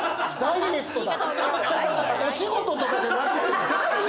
お仕事とかじゃなくて？